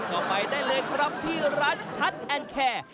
ก็ไปได้เลยครับที่ร้านคัทแอนแคร์